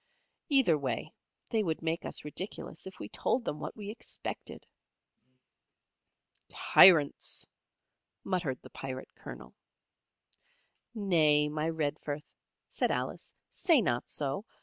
Either way, they would make us ridiculous if we told them what we expected." "Tyrants!" muttered the Pirate Colonel. "Nay, my Redforth," said Alice, "say not so.